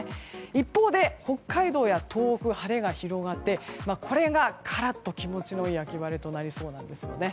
一方で、北海道や東北は晴れが広がってこれが、カラッと気持ちのいい秋晴れとなりそうなんですよね。